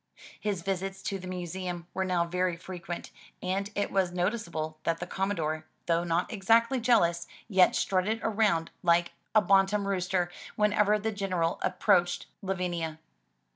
His visits to the museum were now very frequent and it was noticeable that the Commodore, though not exactly jealous, yet strutted around like a bantam rooster whenever the General ap proached Lavinia.